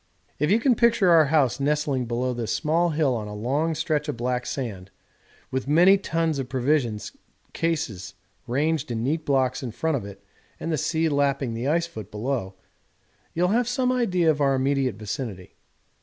'If you can picture our house nestling below this small hill on a long stretch of black sand, with many tons of provision cases ranged in neat blocks in front of it and the sea lapping the icefoot below, you will have some idea of our immediate vicinity.